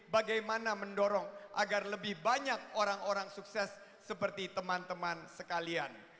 bagaimana mendorong agar lebih banyak orang orang sukses seperti teman teman sekalian